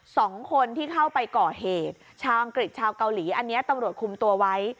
สองคนที่เข้าไปก่อเหตุชาวอังกฤษชาวเกาหลีอันนี้ตำรวจคุมตัวไว้